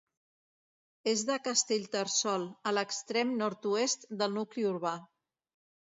És de Castellterçol, a l'extrem nord-oest del nucli urbà.